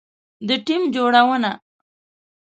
د ټیم جوړونه